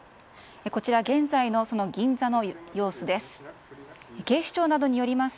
こちら、現在の銀座の様子です。